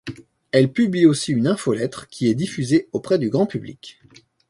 Elle publie aussi une infolettre qui est diffusée auprès du grand public.